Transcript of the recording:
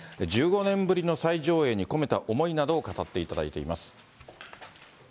１５年ぶりの再上映に込めた思いなどを語っていただいています。